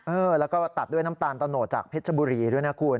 เออแล้วก็ตัดด้วยน้ำตาลตะโนดจากเพชรบุรีด้วยนะคุณ